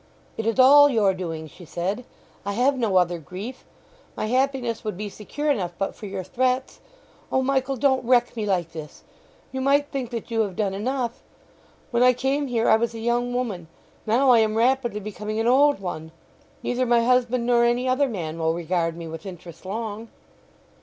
"It is all your doing," she said. "I have no other grief. My happiness would be secure enough but for your threats. O Michael! don't wreck me like this! You might think that you have done enough! When I came here I was a young woman; now I am rapidly becoming an old one. Neither my husband nor any other man will regard me with interest long."